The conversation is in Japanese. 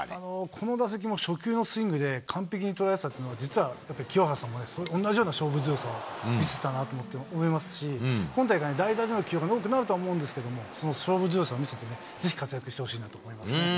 この打席も初球のスイングで完璧に捉えてたというのは、実は清原さんもね、同じような勝負強さを見せたなと思いますし、今大会、代打での起用が多くなると思うんですけれども、その勝負強さ見せてね、ぜひ活躍してほしいなと思いますね。